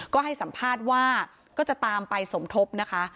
ก็ให้สัมภาษณ์ว่าก็จะตามไปสมทบนะคะ